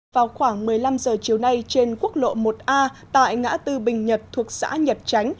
vào khoảng một mươi năm giờ chiều nay trên quốc lộ một a tại ngã tư bình nhật thuộc xã nhật chánh